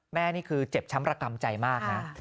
นี่คือเจ็บช้ำระกำใจมากนะ